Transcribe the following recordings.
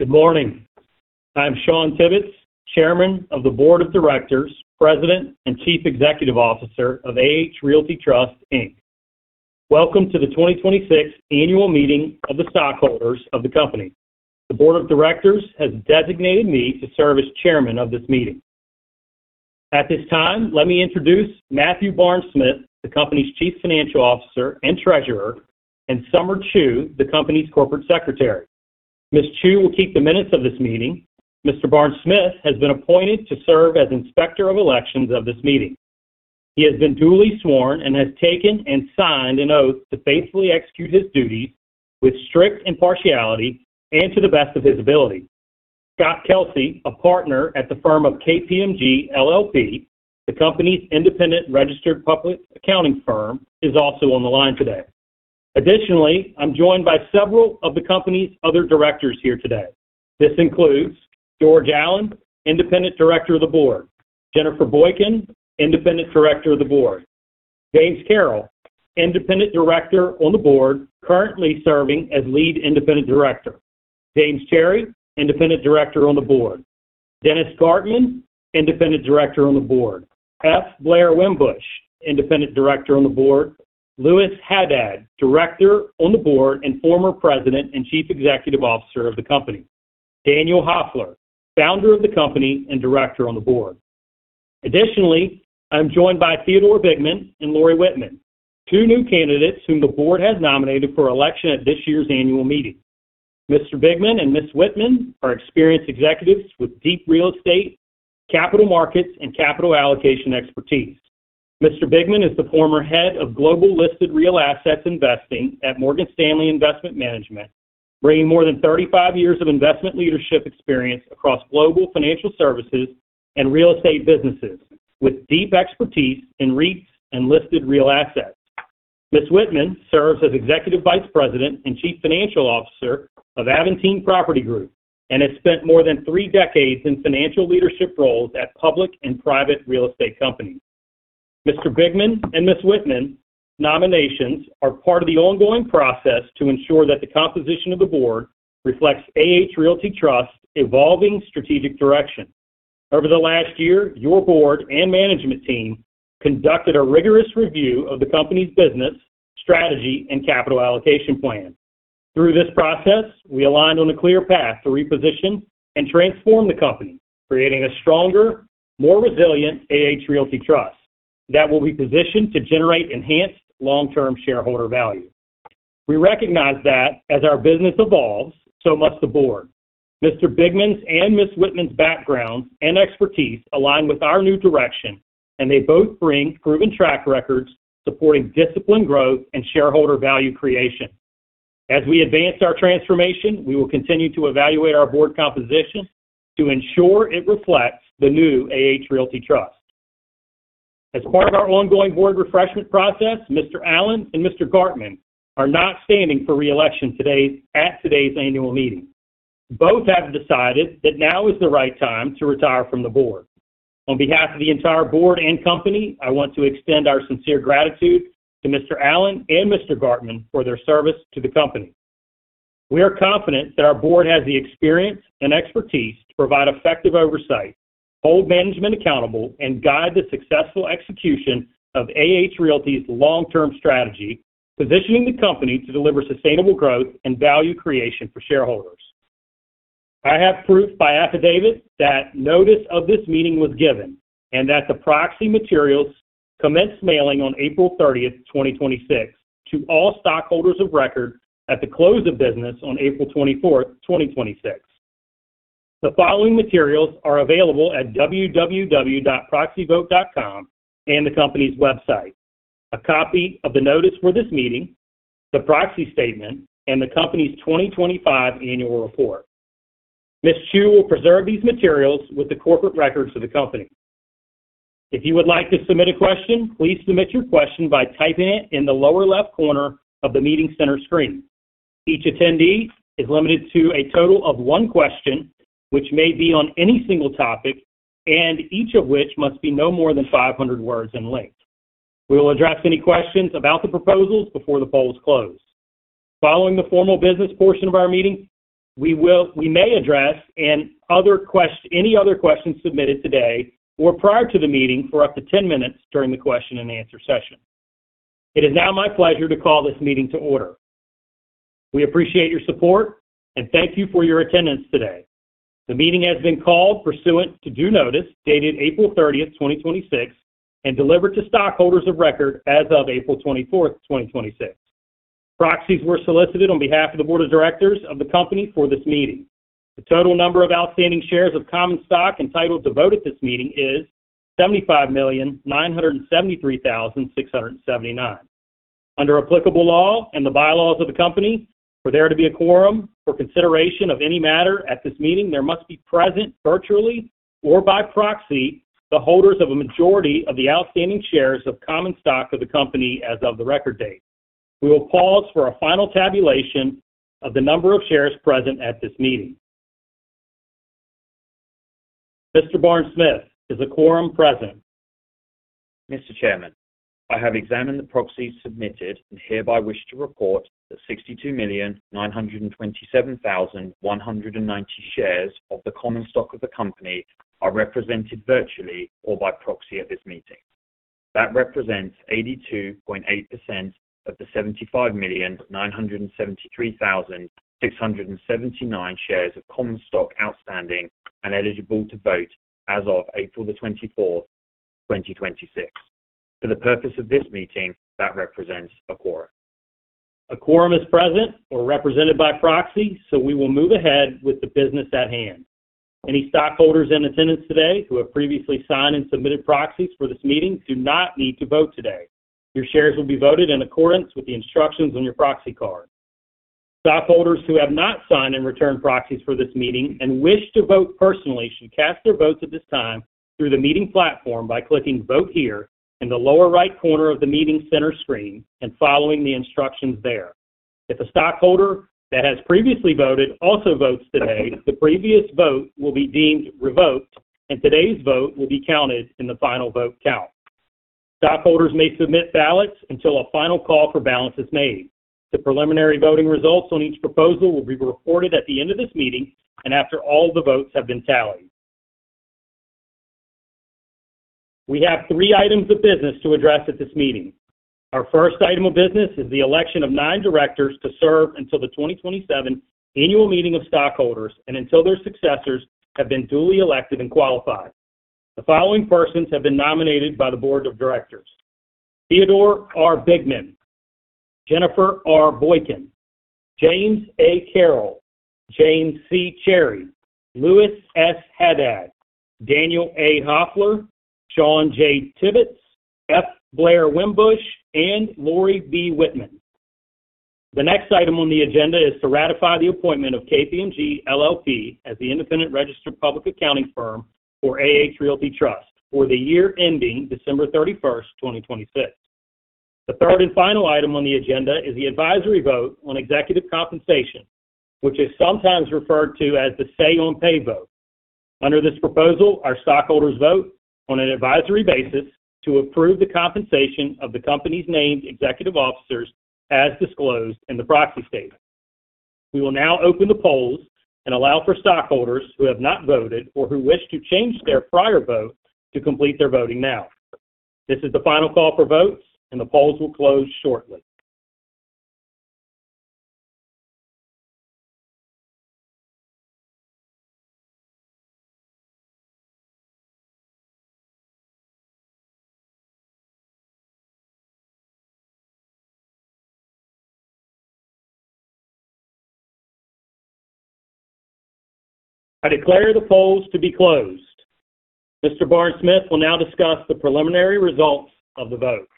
Good morning. I'm Shawn Tibbetts, Chairman of the Board of Directors, President, and Chief Executive Officer of AH Realty Trust, Inc. Welcome to the 2026 annual meeting of the stockholders of the company. The board of directors has designated me to serve as chairman of this meeting. At this time, let me introduce Matthew Barnes-Smith, the company's Chief Financial Officer and Treasurer, and Summer Chu, the company's Corporate Secretary. Ms. Chu will keep the minutes of this meeting. Mr. Barnes-Smith has been appointed to serve as Inspector of Elections of this meeting. He has been duly sworn and has taken and signed an oath to faithfully execute his duties with strict impartiality and to the best of his ability. Scott Kelsey, a partner at the firm of KPMG LLP, the company's independent registered public accounting firm, is also on the line today. Additionally, I'm joined by several of the company's other directors here today. This includes George Allen, Independent Director of the Board, Jennifer Boykin, Independent Director of the Board, James Carroll, Independent Director on the board, currently serving as Lead Independent Director, James Cherry, Independent Director on the board, Dennis Gartman, Independent Director on the board, F. Blair Wimbush, Independent Director on the board, Louis Haddad, Director on the board and former President and Chief Executive Officer of the company, Daniel Hoffler, founder of the company and Director on the board. Additionally, I'm joined by Theodore Bigman and Lori Wittman, two new candidates whom the board has nominated for election at this year's annual meeting. Mr. Bigman and Ms. Wittman are experienced executives with deep real estate, capital markets, and capital allocation expertise. Mr. Bigman is the former head of Global Listed Real Assets Investing at Morgan Stanley Investment Management, bringing more than 35 years of investment leadership experience across global financial services and real estate businesses, with deep expertise in REITs and listed real assets. Ms. Wittman serves as Executive Vice President and Chief Financial Officer of Aventine Property Group, and has spent more than three decades in financial leadership roles at public and private real estate companies. Mr. Bigman and Ms. Wittman's nominations are part of the ongoing process to ensure that the composition of the board reflects AH Realty Trust's evolving strategic direction. Over the last year, your board and management team conducted a rigorous review of the company's business, strategy, and capital allocation plan. Through this process, we aligned on a clear path to reposition and transform the company, creating a stronger, more resilient AH Realty Trust that will be positioned to generate enhanced long-term shareholder value. We recognize that as our business evolves, so must the board. Mr. Bigman's and Ms. Wittman's backgrounds and expertise align with our new direction, and they both bring proven track records supporting disciplined growth and shareholder value creation. As we advance our transformation, we will continue to evaluate our board composition to ensure it reflects the new AH Realty Trust. As part of our ongoing board refreshment process, Mr. Allen and Mr. Gartman are not standing for re-election at today's annual meeting. Both have decided that now is the right time to retire from the board. On behalf of the entire board and company, I want to extend our sincere gratitude to Mr. Allen and Mr. Gartman for their service to the company. We are confident that our board has the experience and expertise to provide effective oversight, hold management accountable, and guide the successful execution of AH Realty's long-term strategy, positioning the company to deliver sustainable growth and value creation for shareholders. I have proof by affidavit that notice of this meeting was given and that the proxy materials commenced mailing on April 30th, 2026, to all stockholders of record at the close of business on April 24th, 2026. The following materials are available at www.proxyvote.com and the company's website. A copy of the notice for this meeting, the proxy statement, and the company's 2025 annual report. Ms. Chu will preserve these materials with the corporate records of the company. If you would like to submit a question, please submit your question by typing it in the lower left corner of the meeting center screen. Each attendee is limited to a total of one question, which may be on any single topic, and each of which must be no more than 500 words in length. We will address any questions about the proposals before the polls close. Following the formal business portion of our meeting, we may address any other questions submitted today or prior to the meeting for up to 10 minutes during the question and answer session. It is now my pleasure to call this meeting to order. We appreciate your support, and thank you for your attendance today. The meeting has been called pursuant to due notice, dated April 30th, 2026, and delivered to stockholders of record as of April 24th, 2026. Proxies were solicited on behalf of the board of directors of the company for this meeting. The total number of outstanding shares of common stock entitled to vote at this meeting is 75,973,679. Under applicable law and the bylaws of the company, for there to be a quorum for consideration of any matter at this meeting, there must be present, virtually or by proxy, the holders of a majority of the outstanding shares of common stock of the company as of the record date. We will pause for a final tabulation of the number of shares present at this meeting Mr. Barnes-Smith, is a quorum present? Mr. Chairman, I have examined the proxies submitted and hereby wish to report that 62,927,190 shares of the common stock of the company are represented virtually or by proxy at this meeting. That represents 82.8% of the 75,973,679 shares of common stock outstanding and eligible to vote as of April the 24th, 2026. For the purpose of this meeting, that represents a quorum. A quorum is present or represented by proxy, we will move ahead with the business at hand. Any stockholders in attendance today who have previously signed and submitted proxies for this meeting do not need to vote today. Your shares will be voted in accordance with the instructions on your proxy card. Stockholders who have not signed and returned proxies for this meeting and wish to vote personally should cast their votes at this time through the meeting platform by clicking Vote Here in the lower right corner of the meeting center screen and following the instructions there. If a stockholder that has previously voted also votes today, the previous vote will be deemed revoked, and today's vote will be counted in the final vote count. Stockholders may submit ballots until a final call for ballots is made. The preliminary voting results on each proposal will be reported at the end of this meeting and after all the votes have been tallied. We have three items of business to address at this meeting. Our first item of business is the election of nine directors to serve until the 2027 annual meeting of stockholders and until their successors have been duly elected and qualified. The following persons have been nominated by the board of directors: Theodore R. Bigman, Jennifer R. Boykin, James A. Carroll, James C. Cherry, Louis S. Haddad, Daniel A. Hoffler, Shawn J. Tibbetts, F. Blair Wimbush, and Lori B. Wittman. The next item on the agenda is to ratify the appointment of KPMG LLP as the independent registered public accounting firm for AH Realty Trust for the year ending December 31st, 2026. The third and final item on the agenda is the advisory vote on executive compensation, which is sometimes referred to as the say on pay vote. Under this proposal, our stockholders vote on an advisory basis to approve the compensation of the company's named executive officers as disclosed in the proxy statement. We will now open the polls and allow for stockholders who have not voted or who wish to change their prior vote to complete their voting now. This is the final call for votes, the polls will close shortly. I declare the polls to be closed. Mr. Barnes-Smith will now discuss the preliminary results of the vote.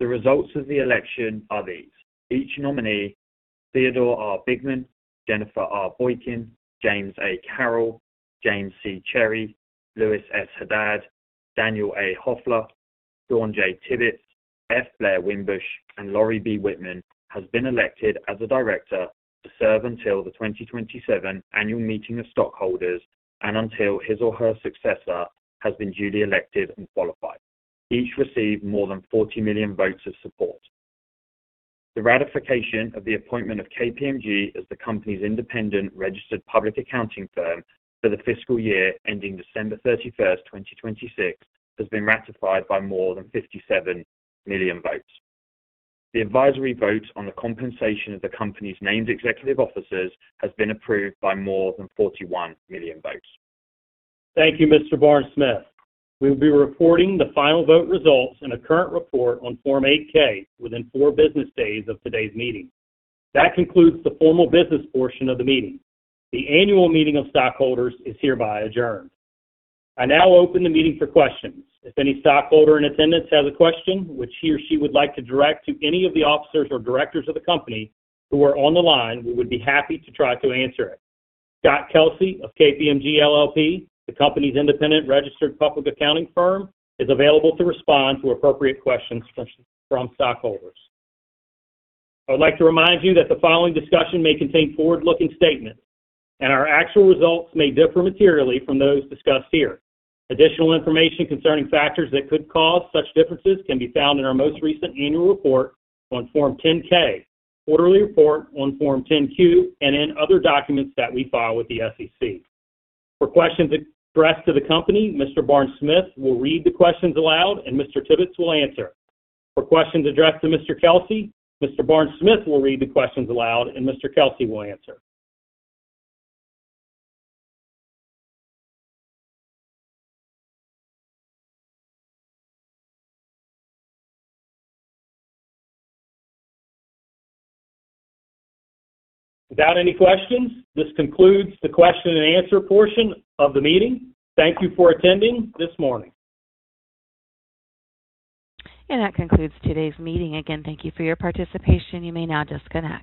The results of the election are these. Each nominee, Theodore R. Bigman, Jennifer R. Boykin, James A. Carroll, James C. Cherry, Louis S. Haddad, Daniel A. Hoffler, Shawn J. Tibbetts, F. Blair Wimbush, and Lori B. Wittman, has been elected as a director to serve until the 2027 annual meeting of stockholders and until his or her successor has been duly elected and qualified. Each received more than 40 million votes of support. The ratification of the appointment of KPMG as the company's independent registered public accounting firm for the fiscal year ending December 31st, 2026, has been ratified by more than 57 million votes. The advisory vote on the compensation of the company's named executive officers has been approved by more than 41 million votes. Thank you, Mr. Barnes-Smith. We will be reporting the final vote results in a current report on Form 8-K within four business days of today's meeting. That concludes the formal business portion of the meeting. The annual meeting of stockholders is hereby adjourned. I now open the meeting for questions. If any stockholder in attendance has a question which he or she would like to direct to any of the officers or directors of the company who are on the line, we would be happy to try to answer it. Scott Kelsey of KPMG LLP, the company's independent registered public accounting firm, is available to respond to appropriate questions from stockholders. I would like to remind you that the following discussion may contain forward-looking statements, and our actual results may differ materially from those discussed here. Additional information concerning factors that could cause such differences can be found in our most recent annual report on Form 10-K, quarterly report on Form 10-Q, and in other documents that we file with the SEC. For questions addressed to the company, Mr. Barnes-Smith will read the questions aloud, and Mr. Tibbetts will answer. For questions addressed to Mr. Kelsey, Mr. Barnes-Smith will read the questions aloud, and Mr. Kelsey will answer. Without any questions, this concludes the question and answer portion of the meeting. Thank you for attending this morning. That concludes today's meeting. Again, thank you for your participation. You may now disconnect.